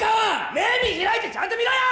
目見開いてちゃんと見ろよ！